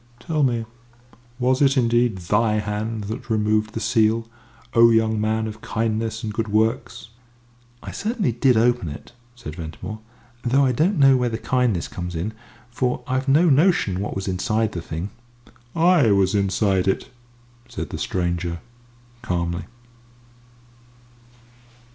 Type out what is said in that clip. "Tell me was it indeed thy hand that removed the seal, O young man of kindness and good works?" "I certainly did open it," said Ventimore, "though I don't know where the kindness comes in for I've no notion what was inside the thing." "I was inside it," said the stranger, calmly.